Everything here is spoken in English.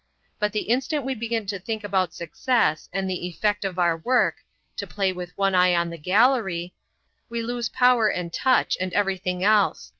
But the instant we begin to think about success and the effect of our work—to play with one eye on the gallery—we lose power and touch and everything else.